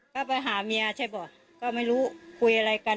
ก็ไปหาเมียใช่ป่ะก็ไม่รู้คุยอะไรกัน